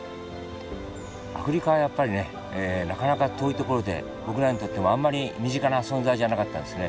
アフリカはやっぱりねなかなか遠い所で僕らにとってもあんまり身近な存在じゃなかったんですね。